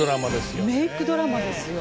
メイクドラマですよ。